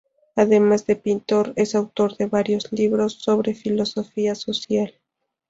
Además de pintor, es autor de varios libros sobre filosofía social.